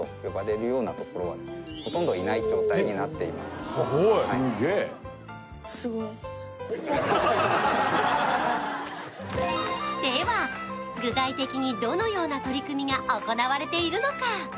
その歴史は長く、なんとでは、具体的にどのような取り組みが行われているのか。